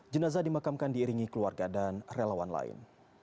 jenazah dimakamkan diiringi keluarga dan relawan lain